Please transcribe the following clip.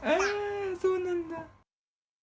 そうなんだ。